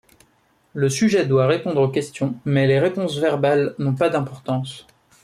Le sujet doit répondre aux questions mais les réponses verbales n'ont pas d'importance.